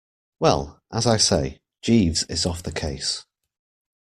Well, as I say, Jeeves is off the case.